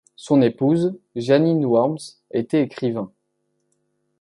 Son épouse, Jeannine Worms était écrivain.